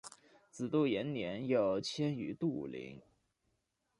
子杜延年又迁于杜陵。